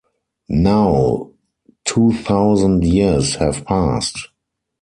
Now two thousand years have passed.